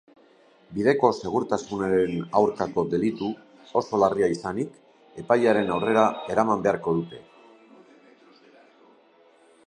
Bideko segurtasunaren aurkako delitu oso larria izanik, epailearen aurrera eraman beharko dute.